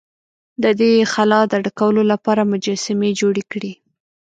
د دې خلا د ډکولو لپاره مجسمې جوړې کړې.